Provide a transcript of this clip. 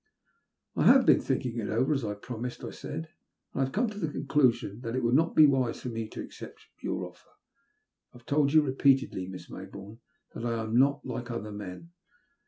''I have been thinking it over as I promised,'* I said, and I have come to the conclusion that it would not be wise for me to accept your offer. I have told you repeatedly, Miss Maybourne, that I am not like other men.